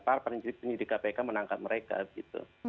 pak arpanjirik penyidik kpk menangkap mereka gitu